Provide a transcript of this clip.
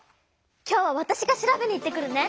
今日はわたしが調べに行ってくるね！